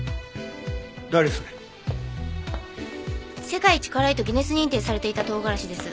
世界一辛いとギネス認定されていた唐辛子です。